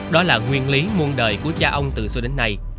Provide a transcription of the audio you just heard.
đó là nguyên lý muôn đời của cha ông từ xưa đến nay